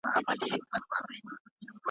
چي له سر څخه د چا عقل پردی سي `